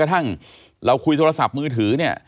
กระทั่งเราคุยโทรศัพท์มือถือ